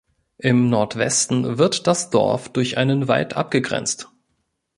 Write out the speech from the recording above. Im Nordwesten wird das Dorf durch einen Wald abgegrenzt.